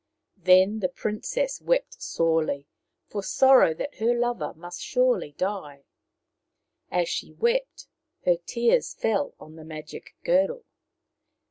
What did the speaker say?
Then the princess wept sorely, for sorrow that her lover must surely die. As she wept, her tears fell on the magic girdle.